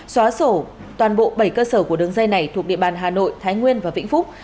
xóa sổ toàn bộ bảy cơ sở của đường dây này thuộc địa bàn hà nội thái nguyên và vĩnh phúc